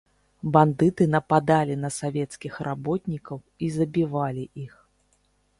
Бандыты нападалі на савецкіх работнікаў і забівалі іх.